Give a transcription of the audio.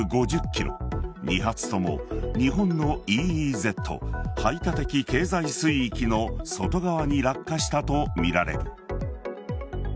２発とも日本のＥＥＺ＝排他的経済水域の外側に落下したとみられる。